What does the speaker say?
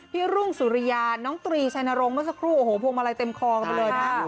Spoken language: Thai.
พี่รุ่งสุริยาน้องตรีชายนรงก็สักครู่โอ้โหพวงมาลัยเต็มคอกันเลยค่ะ